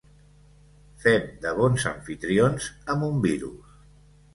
Fem de bons amfitrions amb un virus.